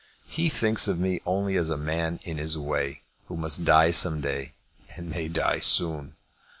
He thinks of me only as a man in his way who must die some day and may die soon."